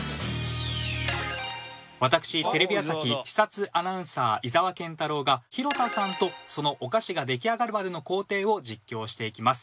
私テレビ朝日視察アナウンサー井澤健太朗が広田さんとそのお菓子が出来上がるまでの工程を実況していきます。